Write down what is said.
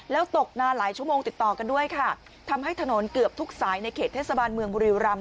แล้วตกนานหลายชั่วโมงติดต่อกันด้วยค่ะทำให้ถนนเกือบทุกสายในเขตเทศบาลเมืองบุรีรำ